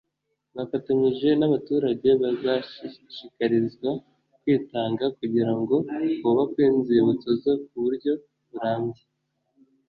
bafatanyije n’abaturage bazashishikarizwa kwitanga kugira ngo hubakwe inzibutso zo kuburyo burambye